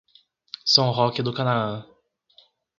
São Roque do Canaã